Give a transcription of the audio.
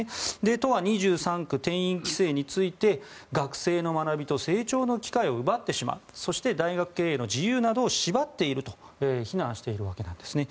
都は２３区定員規制について学生の学びと成長の機会を奪ってしまうそして大学経営の自由などを縛っていると非難しています。